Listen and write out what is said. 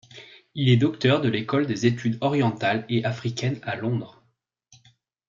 Il est docteur de l'École des études orientales et africaines à Londres.